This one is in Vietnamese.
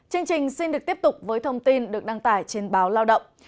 chương trình xin được tiếp tục với thông tin được đăng tải trên báo lao động